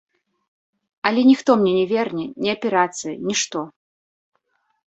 Яго ніхто мне не верне, ні аперацыя, нішто.